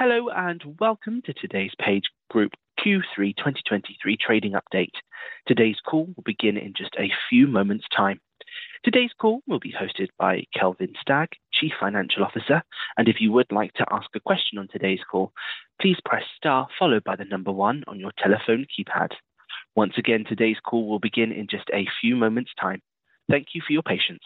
Hello, and welcome to today's PageGroup Q3 2023 trading update. Today's call will begin in just a few moments' time. Today's call will be hosted by Kelvin Stagg, Chief Financial Officer, and if you would like to ask a question on today's call, please press star followed by one on your telephone keypad. Once again, today's call will begin in just a few moments' time. Thank you for your patience.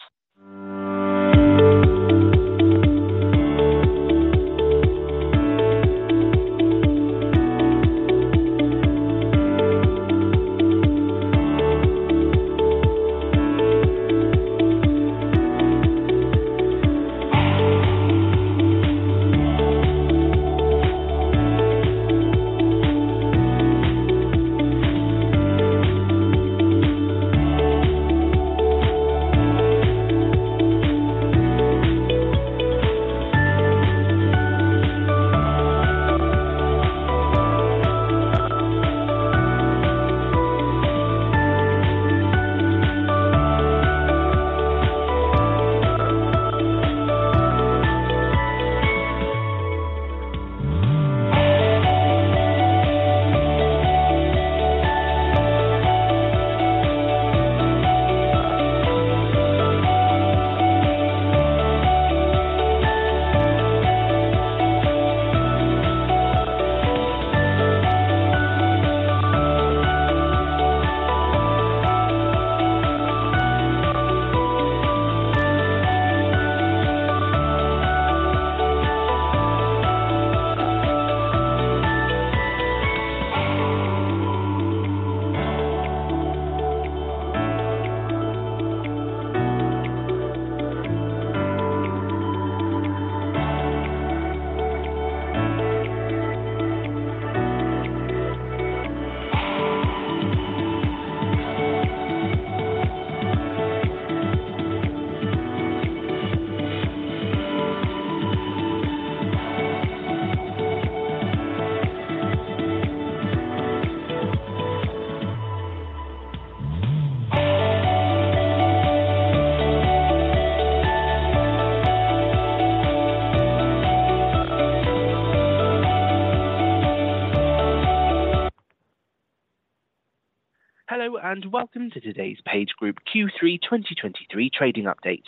Hello, and welcome to today's PageGroup Q3 2023 trading update.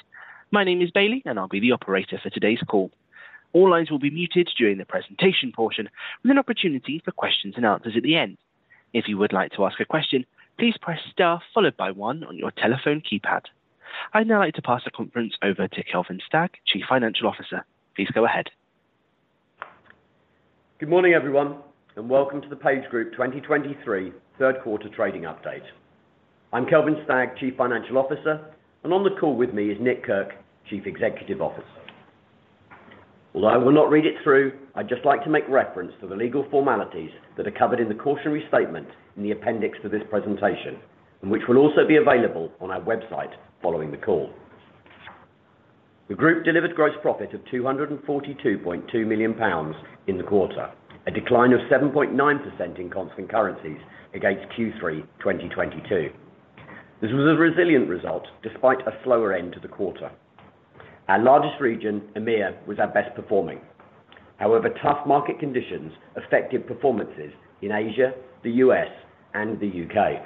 My name is Bailey, and I'll be the operator for today's call. All lines will be muted during the presentation portion, with an opportunity for questions and answers at the end. If you would like to ask a question, please press star followed by one on your telephone keypad. I'd now like to pass the conference over to Kelvin Stagg, Chief Financial Officer. Please go ahead. Good morning, everyone, and welcome to the PageGroup 2023 third quarter trading update. I'm Kelvin Stagg, Chief Financial Officer, and on the call with me is Nick Kirk, Chief Executive Officer. Although I will not read it through, I'd just like to make reference to the legal formalities that are covered in the cautionary statement in the appendix to this presentation, and which will also be available on our website following the call. The group delivered gross profit of 242.2 million pounds in the quarter, a decline of 7.9% in constant currencies against Q3 2022. This was a resilient result despite a slower end to the quarter. Our largest region, EMEA, was our best performing. However, tough market conditions affected performances in Asia, the U.S., and the U.K.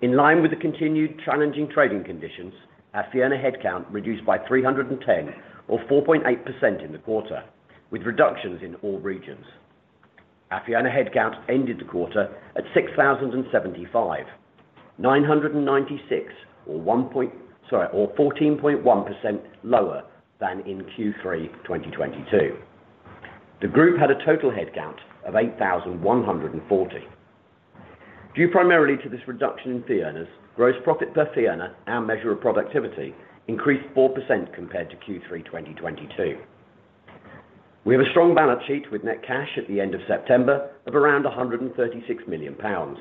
In line with the continued challenging trading conditions, our fee earner headcount reduced by 310 or 4.8% in the quarter, with reductions in all regions. Our fee earner headcount ended the quarter at 6,075, 996 or 14.1% lower than in Q3 2022. The group had a total headcount of 8,140. Due primarily to this reduction in fee earners, gross profit per fee earner, our measure of productivity, increased 4% compared to Q3 2022. We have a strong balance sheet with net cash at the end of September of around 136 million pounds.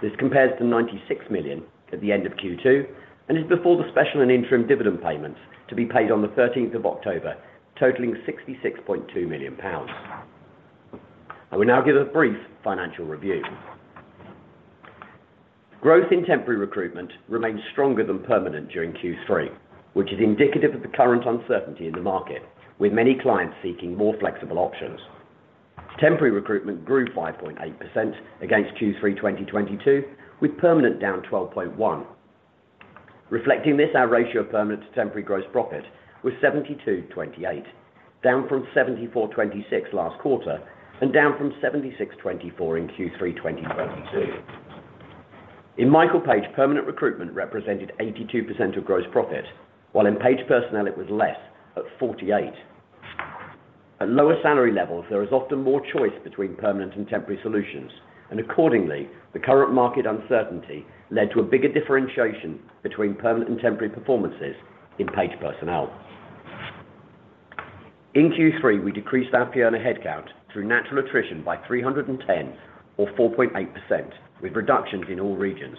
This compares to 96 million at the end of Q2 and is before the special and interim dividend payments to be paid on the 13 October, totaling 66.2 million pounds. I will now give a brief financial review. Growth in temporary recruitment remains stronger than permanent during Q3, which is indicative of the current uncertainty in the market, with many clients seeking more flexible options. Temporary recruitment grew 5.8% against Q3 2022, with permanent down 12.1%. Reflecting this, our ratio of permanent to temporary gross profit was 72-28, down from 74-26 last quarter and down from 76-24 in Q3 2022. In Michael Page, permanent recruitment represented 82% of gross profit, while in Page Personnel, it was less, at 48%. At lower salary levels, there is often more choice between permanent and temporary solutions, and accordingly, the current market uncertainty led to a bigger differentiation between permanent and temporary performances in Page Personnel. In Q3, we decreased our fee earner headcount through natural attrition by 310 or 4.8%, with reductions in all regions.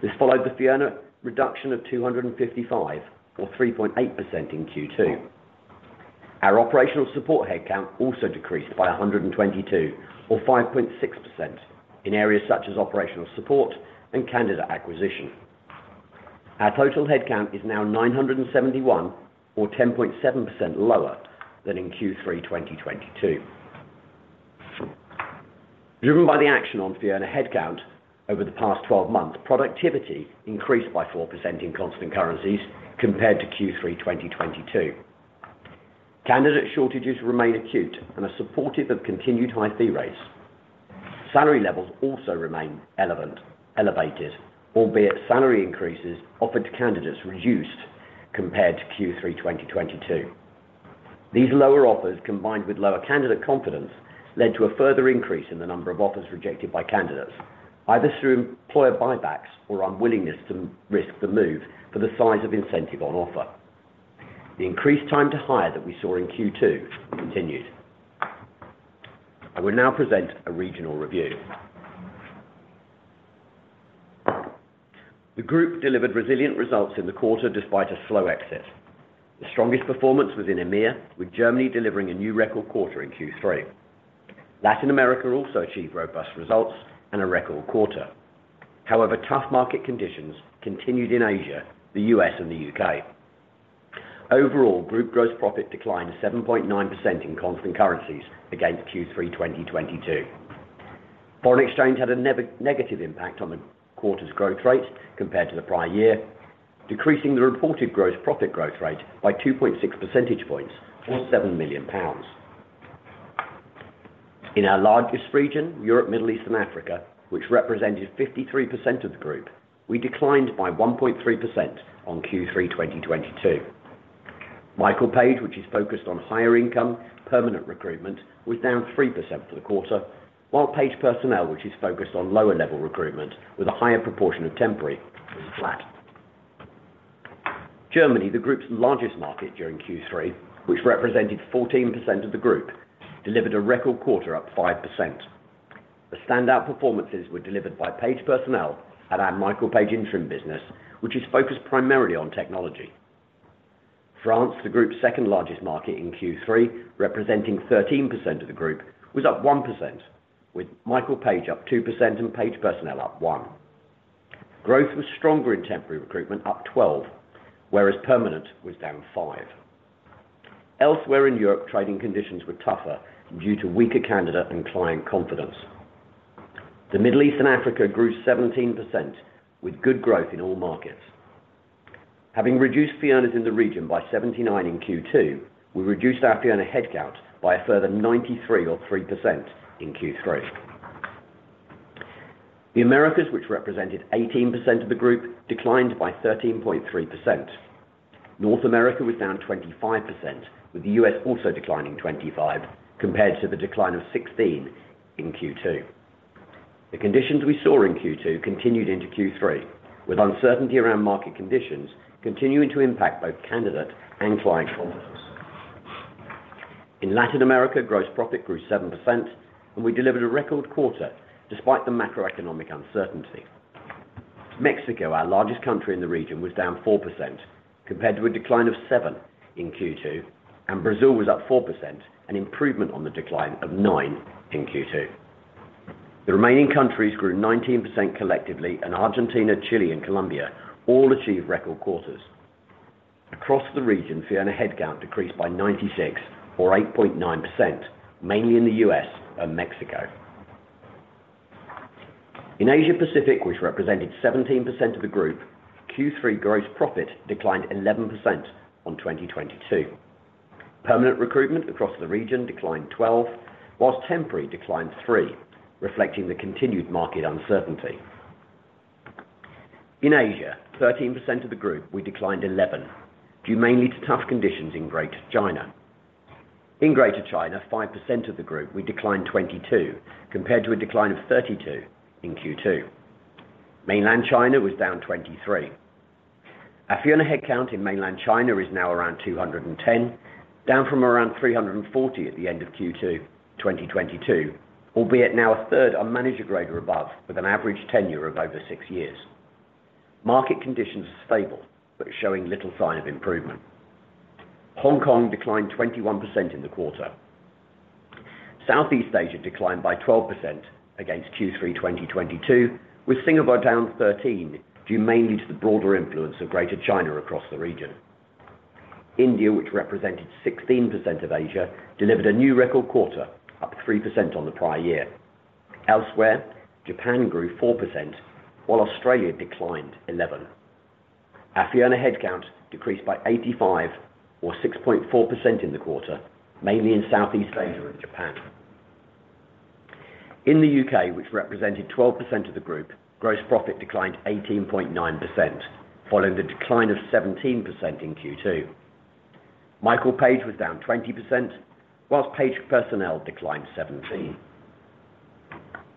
This followed the fee earner reduction of 255 or 3.8% in Q2. Our operational support headcount also decreased by 122 or 5.6% in areas such as operational support and candidate acquisition. Our total headcount is now 971, or 10.7% lower than in Q3 2022. Driven by the action on the fee earner headcount over the past 12 months, productivity increased by 4% in constant currencies compared to Q3 2022. Candidate shortages remain acute and are supportive of continued high fee rates. Salary levels also remain elevated, albeit salary increases offered to candidates reduced compared to Q3 2022. These lower offers, combined with lower candidate confidence, led to a further increase in the number of offers rejected by candidates, either through employer buybacks or unwillingness to risk the move for the size of incentive on offer. The increased time to hire that we saw in Q2 continued. I will now present a regional review. The group delivered resilient results in the quarter despite a slow exit. The strongest performance was in EMEA, with Germany delivering a new record quarter in Q3. Latin America also achieved robust results and a record quarter. However, tough market conditions continued in Asia, the U.S., and the U.K. Overall, group gross profit declined 7.9% in constant currencies against Q3 2022. Foreign exchange had a negative impact on the quarter's growth rate compared to the prior year, decreasing the reported gross profit growth rate by 2.6 percentage points, or 7 million pounds. In our largest region, Europe, Middle East, and Africa, which represented 53% of the group, we declined by 1.3% on Q3 2022. Michael Page, which is focused on higher income, permanent recruitment, was down 3% for the quarter, while Page Personnel, which is focused on lower-level recruitment with a higher proportion of temporary, was flat. Germany, the group's largest market during Q3, which represented 14% of the group, delivered a record quarter up 5%. The standout performances were delivered by Page Personnel and our Michael Page Interim business, which is focused primarily on technology. France, the group's second-largest market in Q3, representing 13% of the group, was up 1%, with Michael Page up 2% and Page Personnel up 1%. Growth was stronger in temporary recruitment, up 12%, whereas permanent was down 5%. Elsewhere in Europe, trading conditions were tougher due to weaker candidate and client confidence. The Middle East and Africa grew 17%, with good growth in all markets. Having reduced the headcount in the region by 79 in Q2, we reduced our fee earner headcount by a further 93 or 3% in Q3. The Americas, which represented 18% of the group, declined by 13.3%. North America was down 25%, with the US also declining 25%, compared to the decline of 16% in Q2. The conditions we saw in Q2 continued into Q3, with uncertainty around market conditions continuing to impact both candidate and client confidence. In Latin America, gross profit grew 7%, and we delivered a record quarter despite the macroeconomic uncertainty. Mexico, our largest country in the region, was down 4% compared to a decline of 7% in Q2, and Brazil was up 4%, an improvement on the decline of 9% in Q2. The remaining countries grew 19% collectively, and Argentina, Chile, and Colombia all achieved record quarters. Across the region, fee earner headcount decreased by 96 or 8.9%, mainly in the U.S. and Mexico. In Asia Pacific, which represented 17% of the group, Q3 gross profit declined 11% on 2022. Permanent recruitment across the region declined 12%, whilst temporary declined 3%, reflecting the continued market uncertainty. In Asia Pacific, 13% of the group, we declined 11%, due mainly to tough conditions in Greater China. In Greater China, 5% of the group, we declined 22%, compared to a decline of 32% in Q2. Mainland China was down 23%. Our fee earner headcount in Mainland China is now around 210, down from around 340 at the end of Q2 2022, albeit now a third are manager grade or above, with an average tenure of over 6 years. Market conditions are stable, but showing little sign of improvement. Hong Kong declined 21% in the quarter. Southeast Asia declined by 12% against Q3 2022, with Singapore down 13%, due mainly to the broader influence of Greater China across the region. India, which represented 16% of Asia Pacific, delivered a new record quarter, up 3% on the prior year. Elsewhere, Japan grew 4%, while Australia declined 11%. Our fee earner headcount decreased by 85 or 6.4% in the quarter, mainly in Southeast Asia and Japan. In the U.K., which represented 12% of the group, gross profit declined 18.9%, following the decline of 17% in Q2. Michael Page was down 20%, while Page Personnel declined 17%.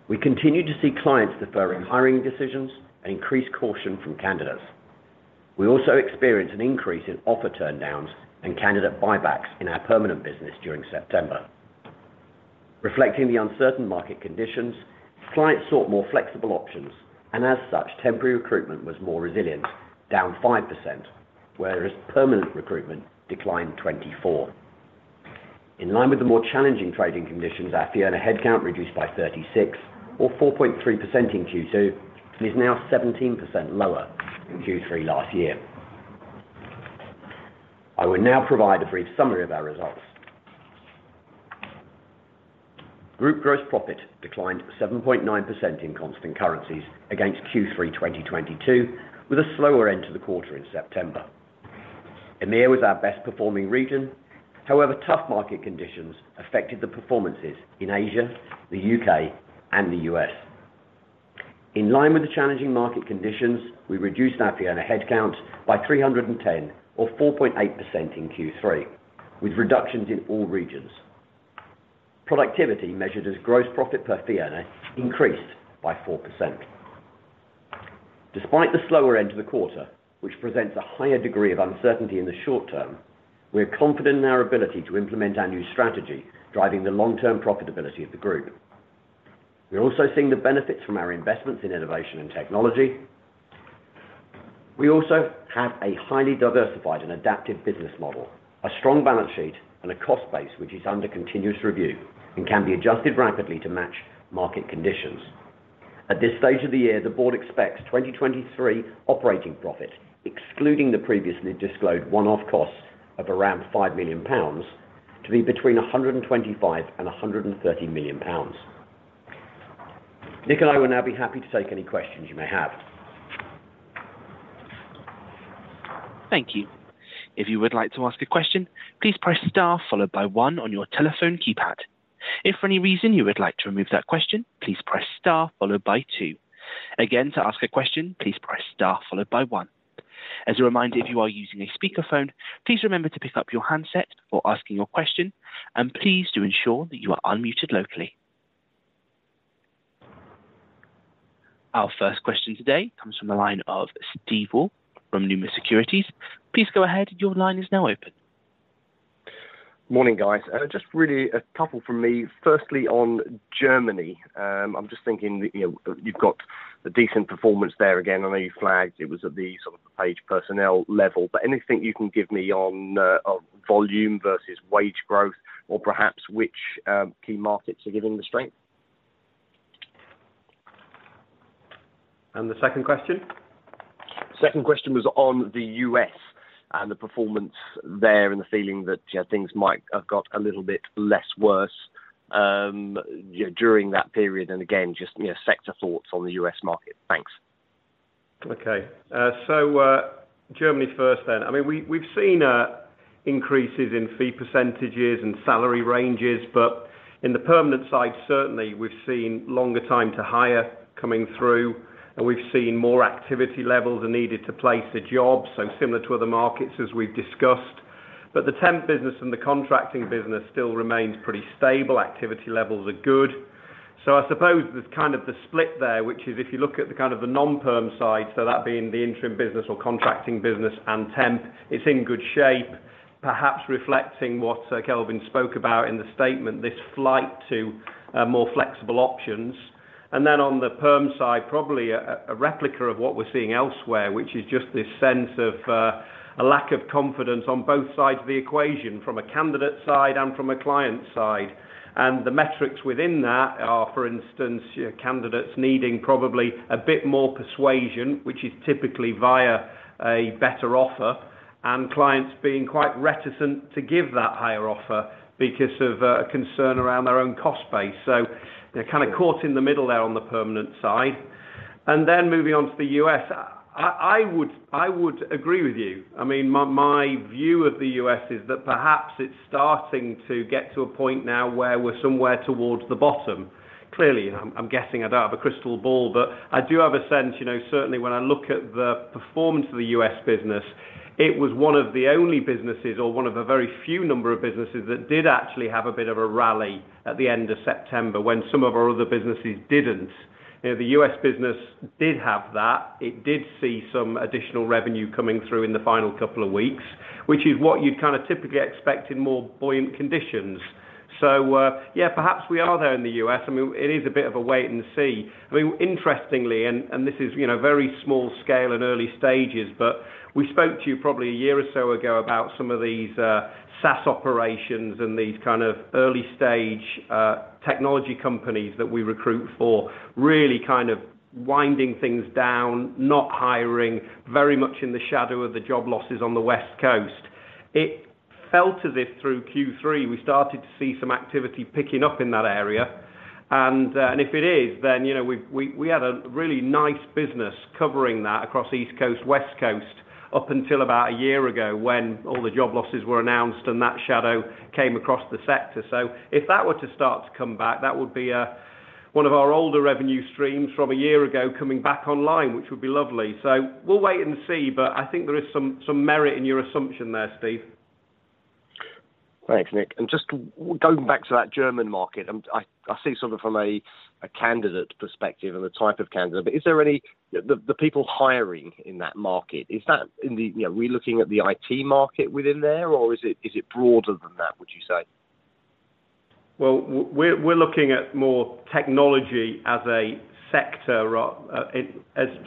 We continue to see clients deferring hiring decisions and increased caution from candidates. We also experienced an increase in offer turndowns and candidate buybacks in our permanent business during September. Reflecting the uncertain market conditions, clients sought more flexible options, and as such, temporary recruitment was more resilient, down 5%, whereas permanent recruitment declined 24%. In line with the more challenging trading conditions, our fee earner headcount reduced by 36 or 4.3% in Q2, and is now 17% lower than Q3 last year. I will now provide a brief summary of our results. Group gross profit declined 7.9% in constant currencies against Q3 2022, with a slower end to the quarter in September. EMEA was our best performing region, however, tough market conditions affected the performances in Asia, the U.K., and the U.S. In line with the challenging market conditions, we reduced our fee earner headcount by 310 or 4.8% in Q3, with reductions in all regions. Productivity measured as gross profit per fee earner increased by 4%. Despite the slower end to the quarter, which presents a higher degree of uncertainty in the short term, we are confident in our ability to implement our new strategy, driving the long-term profitability of the group. We are also seeing the benefits from our investments in innovation and technology. We also have a highly diversified and adaptive business model, a strong balance sheet and a cost base, which is under continuous review and can be adjusted rapidly to match market conditions. At this stage of the year, the board expects 2023 operating profit, excluding the previously disclosed one-off costs of around 5 million pounds, to be between 125 million and 130 million pounds. Nick and I will now be happy to take any questions you may have. Thank you. If you would like to ask a question, please press star followed by one on your telephone keypad. If for any reason you would like to remove that question, please press star followed by two. Again, to ask a question, please press star followed by one. As a reminder, if you are using a speakerphone, please remember to pick up your handset before asking your question, and please do ensure that you are unmuted locally. Our first question today comes from the line of Steve Woolf from Numis Securities. Please go ahead. Your line is now open. Morning, guys. Just really a couple from me. Firstly, on Germany, I'm just thinking that, you know, you've got a decent performance there. Again, I know you flagged it was at the sort of Page Personnel level, but anything you can give me on volume versus wage growth or perhaps which key markets are giving the strength? The second question? Second question was on the U.S. and the performance there and the feeling that, things might have got a little bit less worse, during that period, and again, just, you know, sector thoughts on the U.S. market. Thanks. Okay, so, Germany first then. I mean, we, we've seen increases in fee percentages and salary ranges, but in the permanent side, certainly we've seen longer time to hire coming through, and we've seen more activity levels are needed to place a job, so similar to other markets as we've discussed. But the temp business and the contracting business still remains pretty stable. Activity levels are good. So I suppose there's kind of the split there, which is if you look at the kind of the non-perm side, so that being the interim business or contracting business and temp, it's in good shape, perhaps reflecting what Kelvin spoke about in the statement, this flight to more flexible options. And then on the perm side, probably a replica of what we're seeing elsewhere, which is just this sense of a lack of confidence on both sides of the equation, from a candidate side and from a client side. And the metrics within that are, for instance, your candidates needing probably a bit more persuasion, which is typically via a better offer, and clients being quite reticent to give that higher offer because of concern around their own cost base. So they're kind of caught in the middle there on the permanent side. And then moving on to the U.S., I would agree with you. I mean, my view of the U.S. is that perhaps it's starting to get to a point now where we're somewhere towards the bottom. Clearly, I'm guessing I don't have a crystal ball, but I do have a sense, you know, certainly when I look at the performance of the US business, it was one of the only businesses or one of a very few number of businesses that did actually have a bit of a rally at the end of September when some of our other businesses didn't. You know, the U.S., business did have that. It did see some additional revenue coming through in the final couple of weeks, which is what you'd kind of typically expect in more buoyant conditions. So, yeah, perhaps we are there in the U.S. I mean, it is a bit of a wait and see. I mean, interestingly, and this is, you know, very small scale and early stages, but we spoke to you probably a year or so ago about some of these, SaaS operations and these kind of early stage, technology companies that we recruit for, really kind of winding things down, not hiring very much in the shadow of the job losses on the West Coast. It felt as if through Q3, we started to see some activity picking up in that area. And if it is, then, you know, we've had a really nice business covering that across East Coast, West Coast, up until about a year ago, when all the job losses were announced and that shadow came across the sector. So if that were to start to come back, that would be one of our older revenue streams from a year ago coming back online, which would be lovely. So we'll wait and see, but I think there is some merit in your assumption there, Steve. Thanks, Nick. And just going back to that German market, I see sort of from a candidate perspective and the type of candidate, but is there any. The people hiring in that market, is that in the, you know, we looking at the IT market within there, or is it broader than that, would you say? Well, we're looking at more technology as a sector,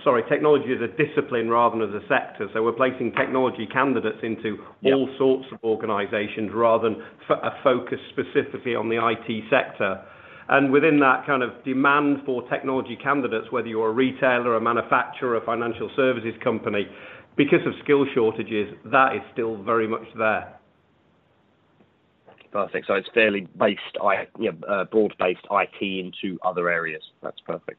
sorry, technology as a discipline rather than as a sector. So we're placing technology candidates into Yeah All sorts of organizations rather than a focus specifically on the IT sector. And within that kind of demand for technology candidates, whether you're a retailer, a manufacturer, a financial services company, because of skill shortages, that is still very much there. Perfect. So it's fairly based I, yeah, broad-based IT into other areas. That's perfect.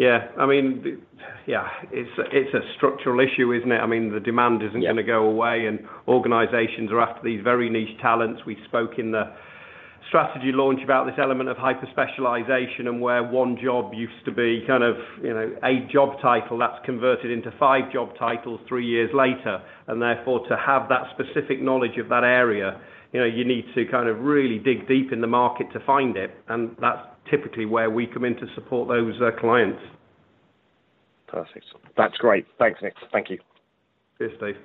Yeah. I mean, it's a structural issue, isn't it? I mean, the demand isn't Yeah Gonna go away, and organizations are after these very niche talents. We spoke in the strategy launch about this element of hyper-specialization, and where one job used to be kind of, you know, a job title that's converted into five job titles three years later. And therefore, to have that specific knowledge of that area, you know, you need to kind of really dig deep in the market to find it, and that's typically where we come in to support those clients. Perfect. That's great. Thanks, Nick. Thank you. Cheers, Steve.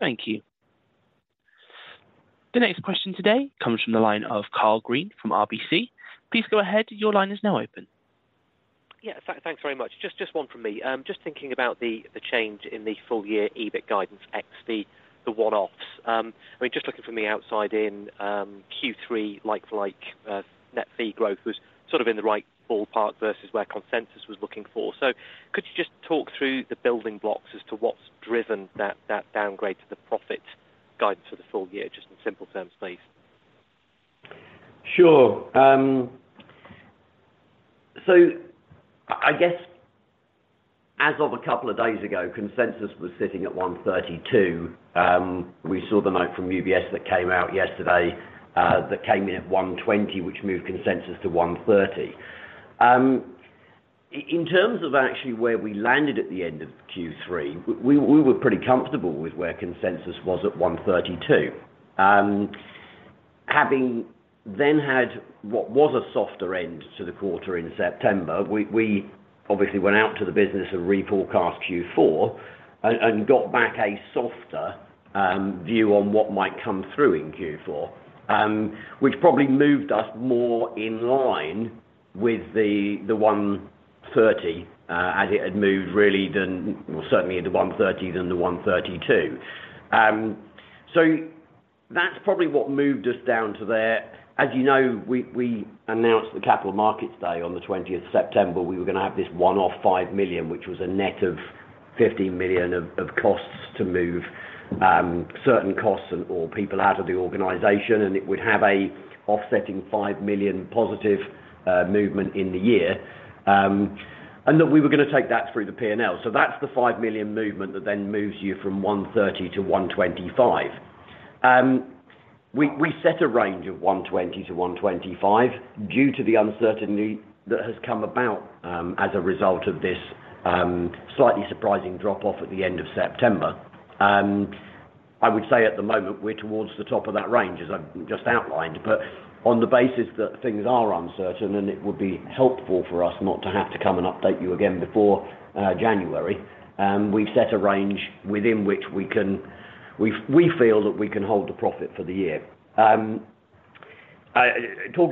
Thank you. The next question today comes from the line of Karl Green from RBC. Please go ahead. Your line is now open. Yeah, thanks very much. Just one from me. Just thinking about the change in the full year EBIT guidance ex the one-offs. I mean, just looking from the outside in, Q3 like-for-like net fee growth was sort of in the right ballpark versus where consensus was looking for. So could you just talk through the building blocks as to what's driven that downgrade to the profit guidance for the full year, just in simple terms, please? Sure. I guess as of a couple of days ago, consensus was sitting at 132. We saw the note from UBS that came out yesterday, that came in at 120, which moved consensus to 130. In terms of actually where we landed at the end of Q3, we were pretty comfortable with where consensus was at 132. Having then had what was a softer end to the quarter in September, we obviously went out to the business and reforecast Q4 and got back a softer view on what might come through in Q4, which probably moved us more in line with the 130, as it had moved really, well, certainly into 130 than the 132. That's probably what moved us down to there. As you know, we announced the Capital Markets Day on the twentieth of September. We were gonna have this one-off 5 million, which was a net of 50 million of costs to move certain costs and or people out of the organization, and it would have an offsetting 5 million positive movement in the year. That we were gonna take that through the P&L. That's the 5 million movement that then moves you from 130 million to 125 million. We set a range of 120 million-125 million due to the uncertainty that has come about as a result of this slightly surprising drop-off at the end of September. I would say at the moment, we're towards the top of that range, as I've just outlined. On the basis that things are uncertain and it would be helpful for us not to have to come and update you again before January, we've set a range within which we feel that we can hold the profit for the year. Talking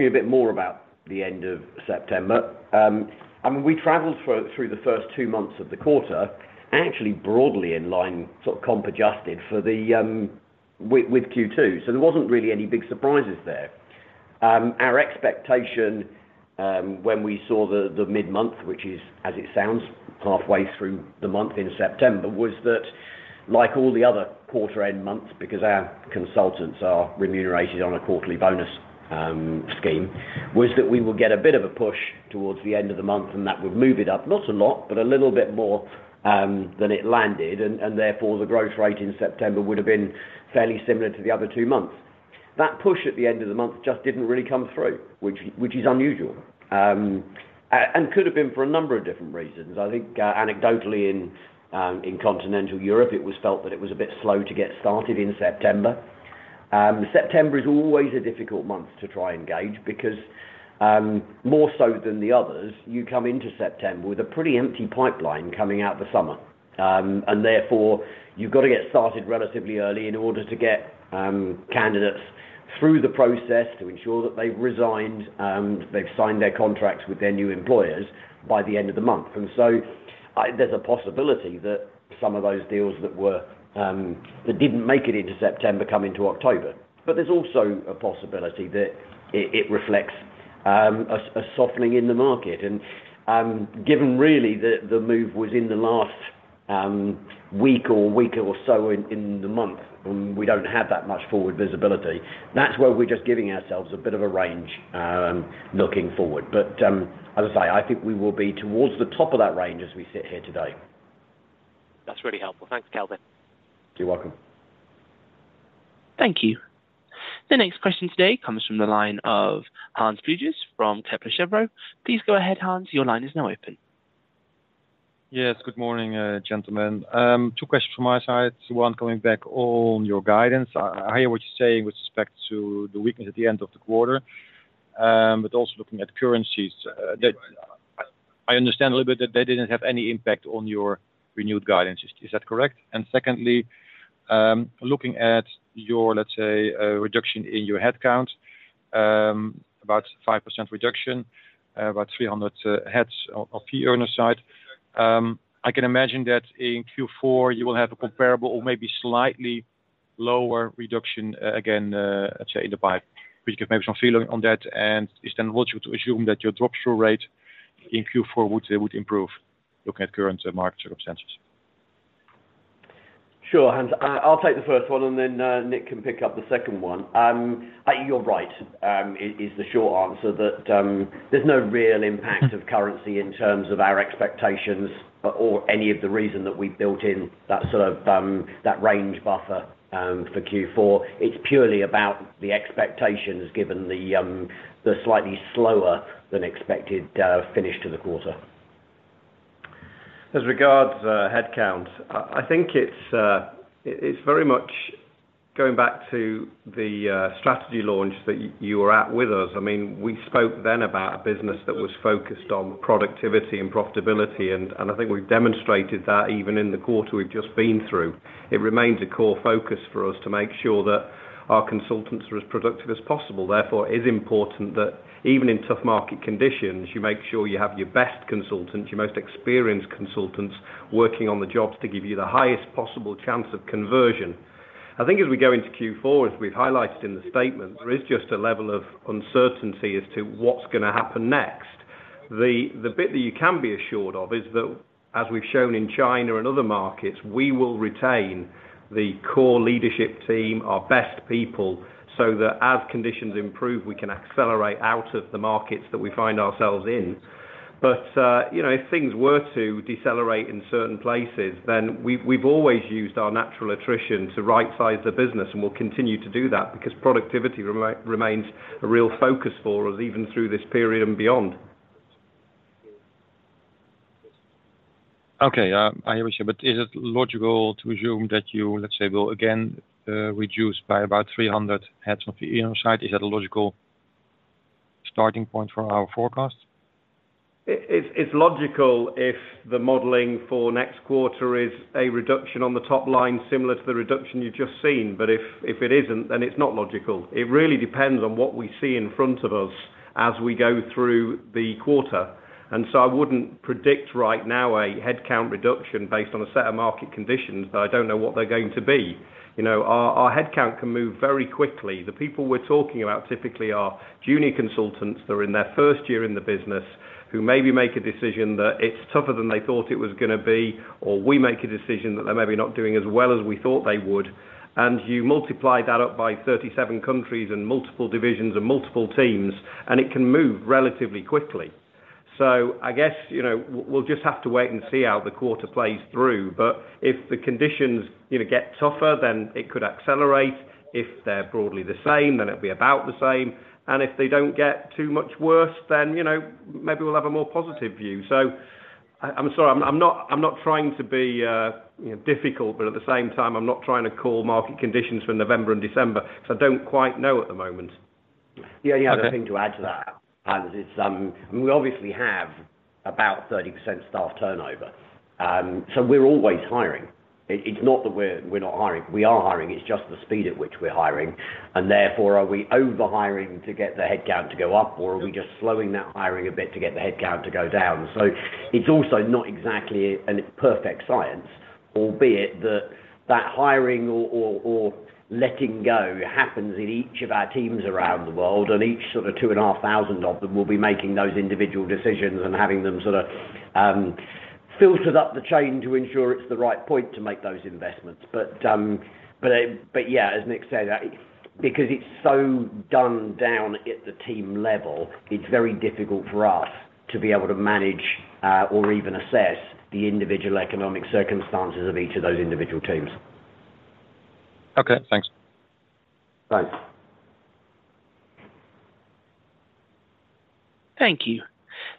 a bit more about the end of September, and we traveled through the first two months of the quarter, actually broadly in line, sort of comp adjusted for the, with Q2. There wasn't really any big surprises there. Our expectation, when we saw the mid-month, which is, as it sounds, halfway through the month in September, was that like all the other quarter-end months, because our consultants are remunerated on a quarterly bonus scheme, was that we would get a bit of a push towards the end of the month, and that would move it up. Not a lot, but a little bit more than it landed, and therefore, the growth rate in September would have been fairly similar to the other two months. That push at the end of the month just didn't really come through, which is unusual, and could have been for a number of different reasons. I think, anecdotally in continental Europe, it was felt that it was a bit slow to get started in September. September is always a difficult month to try and gauge because, more so than the others, you come into September with a pretty empty pipeline coming out the summer. And therefore, you've got to get started relatively early in order to get candidates through the process to ensure that they've resigned, they've signed their contracts with their new employers by the end of the month. And so, there's a possibility that some of those deals that didn't make it into September come into October. But there's also a possibility that it reflects a softening in the market. Given really the move was in the last week or so in the month, and we don't have that much forward visibility, that's where we're just giving ourselves a bit of a range looking forward. But as I say, I think we will be towards the top of that range as we sit here today. That's really helpful. Thanks, Kelvin. You're welcome. Thank you. The next question today comes from the line of Hans Pluijgers from Kepler Cheuvreux. Please go ahead, Hans, your line is now open. Yes, good morning, gentlemen. Two questions from my side. One, coming back on your guidance. I hear what you're saying with respect to the weakness at the end of the quarter, but also looking at currencies, I understand a little bit that they didn't have any impact on your renewed guidance. Is that correct? Secondly, looking at your, let's say, reduction in your headcount, about 5% reduction, about 300 heads on the earner side. I can imagine that in Q4, you will have a comparable or maybe slightly lower reduction again, let's say, in the pipe, which gives maybe some feeling on that, and is it then logical to assume that your drop-through rate in Q4 would improve, looking at current market circumstances. Sure, I’ll take the first one, and then Nick can pick up the second one. You’re right, is the short answer that there’s no real impact of currency in terms of our expectations or any of the reason that we built in that sort of range buffer for Q4. It’s purely about the expectations, given the slightly slower than expected finish to the quarter. As regards headcount, I think it's very much going back to the strategy launch that you were at with us. I mean, we spoke then about a business that was focused on productivity and profitability, and I think we've demonstrated that even in the quarter we've just been through. It remains a core focus for us to make sure that our consultants are as productive as possible. Therefore, it is important that even in tough market conditions, you make sure you have your best consultants, your most experienced consultants, working on the jobs to give you the highest possible chance of conversion. I think as we go into Q4, as we've highlighted in the statement, there is just a level of uncertainty as to what's gonna happen next. The bit that you can be assured of is that as we've shown in China and other markets, we will retain the core leadership team, our best people, so that as conditions improve, we can accelerate out of the markets that we find ourselves in. But, you know, if things were to decelerate in certain places, then we've always used our natural attrition to rightsize the business, and we'll continue to do that because productivity remains a real focus for us, even through this period and beyond. Okay, I understand. But is it logical to assume that you, let's say, will again, reduce by about 300 heads on the inner side? Is that a logical starting point for our forecast? It's logical if the modeling for next quarter is a reduction on the top line, similar to the reduction you've just seen. If it isn't, then it's not logical. It really depends on what we see in front of us as we go through the quarter. I wouldn't predict right now a headcount reduction based on a set of market conditions, but I don't know what they're going to be. You know, our headcount can move very quickly. The people we're talking about typically are junior consultants that are in their first year in the business, who maybe make a decision that it's tougher than they thought it was gonna be, or we make a decision that they're maybe not doing as well as we thought they would. You multiply that up by 37 countries and multiple divisions and multiple teams, and it can move relatively quickly. So I guess, you know, we'll just have to wait and see how the quarter plays through. But if the conditions, you know, get tougher, then it could accelerate. If they're broadly the same, then it'll be about the same. And if they don't get too much worse, then, you know, maybe we'll have a more positive view. So I'm sorry, I'm not trying to be, you know, difficult, but at the same time, I'm not trying to call market conditions for November and December, so I don't quite know at the moment. The only other thing to add to that, and it's. We obviously have about 30% staff turnover, so we're always hiring. It's not that we're not hiring. We are hiring, it's just the speed at which we're hiring, and therefore, are we overhiring to get the headcount to go up, or are we just slowing that hiring a bit to get the headcount to go down? So it's also not exactly a perfect science, albeit that hiring or letting go happens in each of our teams around the world, And each sort of 2,500 of them will be making those individual decisions and having them sort of filtered up the chain to ensure it's the right point to make those investments. But yeah, as Nick said, that because it's so done down at the team level, it's very difficult for us to be able to manage or even assess the individual economic circumstances of each of those individual teams. Okay, thanks. Thanks. Thank you.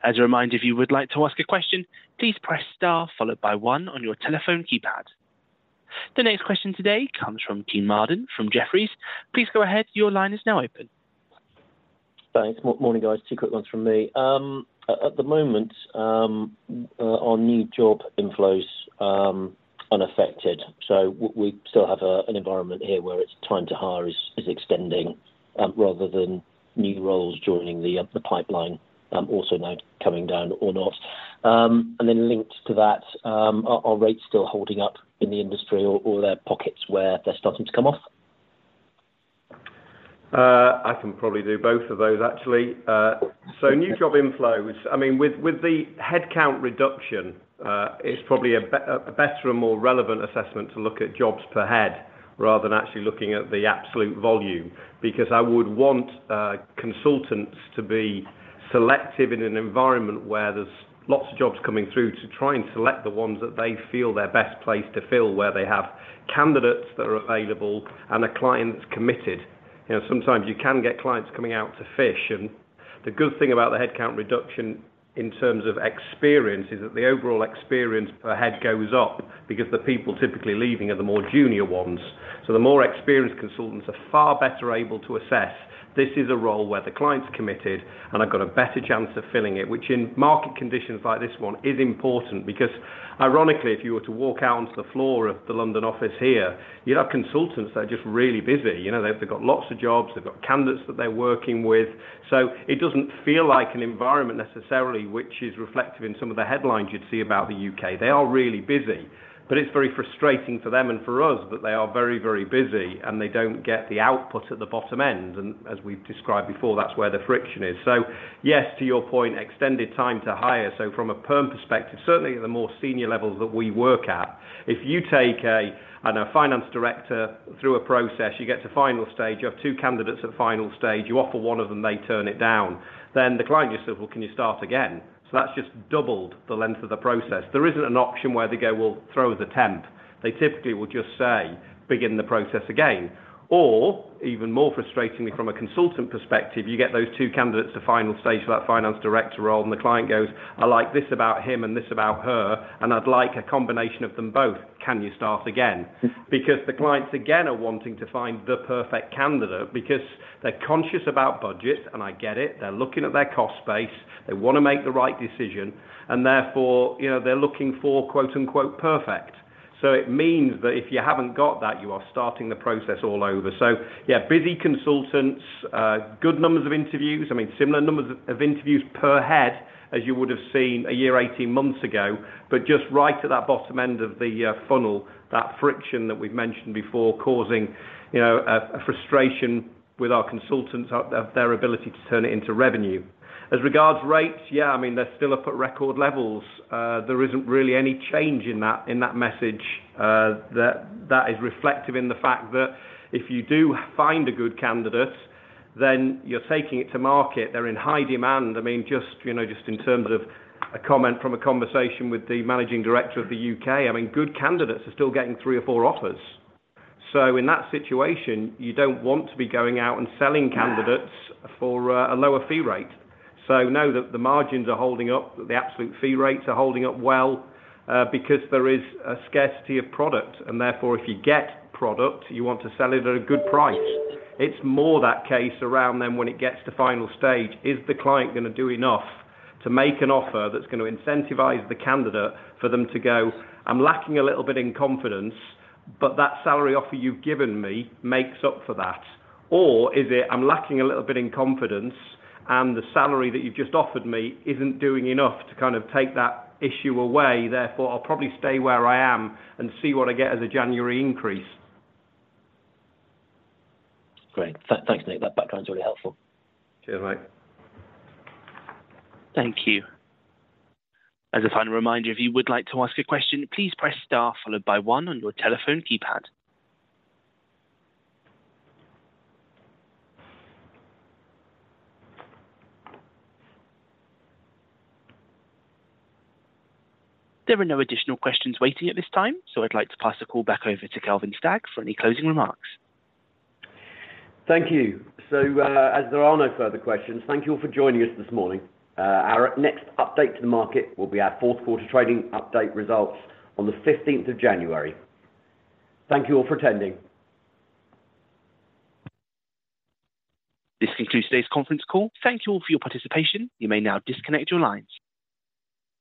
As a reminder, if you would like to ask a question, please press star followed by one on your telephone keypad. The next question today comes from Kean Marden from Jefferies. Please go ahead. Your line is now open. Thanks. Morning, guys. Two quick ones from me. At the moment, our new job inflows unaffected, so we still have an environment here where it's time to hire is extending, rather than new roles joining the pipeline, also now coming down or not. And then linked to that, are rates still holding up in the industry or are there pockets where they're starting to come off? I can probably do both of those, actually. So new job inflows, I mean, with the headcount reduction, it's probably a better and more relevant assessment to look at jobs per head rather than actually looking at the absolute volume, because I would want consultants to be selective in an environment where there's lots of jobs coming through to try and select the ones that they feel they're best placed to fill, where they have candidates that are available and a client that's committed. You know, sometimes you can get clients coming out to fish, and the good thing about the headcount reduction in terms of experience is that the overall experience per head goes up because the people typically leaving are the more junior ones. So the more experienced consultants are far better able to assess. This is a role where the client's committed, and I've got a better chance of filling it, which in market conditions like this one is important because ironically, if you were to walk out onto the floor of the London office here, you'd have consultants that are just really busy. You know, they've got lots of jobs, they've got candidates that they're working with. So it doesn't feel like an environment necessarily, which is reflective in some of the headlines you'd see about the U.K. They are really busy, but it's very frustrating for them and for us, that they are very, very busy and they don't get the output at the bottom end. And as we've described before, that's where the friction is. So yes, to your point, extended time to hire. So from a perm perspective, certainly the more senior levels that we work at, if you take a, I don't know, finance director through a process, you get to final stage, you have two candidates at final stage, you offer one of them, they turn it down, then the client just says, "Well, can you start again?" So that's just doubled the length of the process. There isn't an option where they go, "Well, throw the temp." They typically will just say, "Begin the process again." Or even more frustratingly, from a consultant perspective, you get those two candidates to final stage for that finance director role, and the client goes, "I like this about him and this about her, and I'd like a combination of them both. Can you start again?" Because the clients, again, are wanting to find the perfect candidate because they're conscious about budget, and I get it. They're looking at their cost base, they want to make the right decision, and therefore, you know, they're looking for, quote-unquote, perfect. So it means that if you haven't got that, you are starting the process all over. So yeah, busy consultants, good numbers of interviews, I mean, similar numbers of interviews per head as you would have seen a year, eighteen months ago, but just right at that bottom end of the funnel, that friction that we've mentioned before causing, you know, a frustration with our consultants of their ability to turn it into revenue. As regards rates, yeah, I mean, they're still up at record levels. There isn't really any change in that, in that message. That is reflective in the fact that if you do find a good candidate, then you're taking it to market. They're in high demand. I mean, just, you know, just in terms of a comment from a conversation with the managing director of the U.K, I mean, good candidates are still getting three or four offers. So in that situation, you don't want to be going out and selling candidates Yeah. For a lower fee rate. So no, the margins are holding up, the absolute fee rates are holding up well, because there is a scarcity of product, and therefore, if you get product, you want to sell it at a good price. It's more the case around them when it gets to final stage, is the client going to do enough to make an offer that's going to incentivize the candidate for them to go, "I'm lacking a little bit in confidence, but that salary offer you've given me makes up for that." Or is it, "I'm lacking a little bit in confidence, and the salary that you've just offered me isn't doing enough to kind of take that issue away. Therefore, I'll probably stay where I am and see what I get as a January increase. Great. Thanks, Nick. That background is really helpful. Cheers, mate. Thank you. As a final reminder, if you would like to ask a question, please press star followed by one on your telephone keypad. There are no additional questions waiting at this time, so I'd like to pass the call back over to Kelvin Stagg for any closing remarks. Thank you. So, as there are no further questions, thank you all for joining us this morning. Our next update to the market will be our fourth quarter trading update results on the fifteenth of January. Thank you all for attending. This concludes today's conference call. Thank you all for your participation. You may now disconnect your lines.